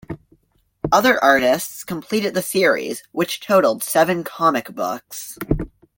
Other artists completed the series, which totaled seven comic books.